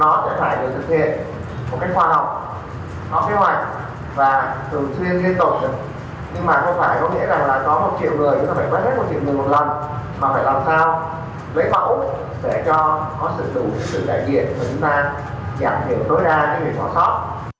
để chúng ta giảm hiểu tối đa những việc có sót